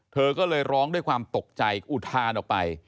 เธอก็เลยร้องด้วยความตกใจอุทานออกไป